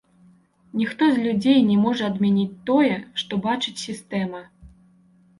Ніхто з людзей не можа адмяніць тое, што бачыць сістэма.